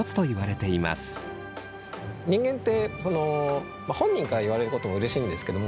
人間ってその本人から言われることもうれしいんですけども